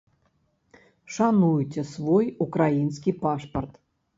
Шануйце свой украінскі пашпарт.